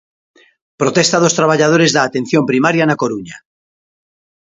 Protesta dos traballadores da Atención primaria na Coruña.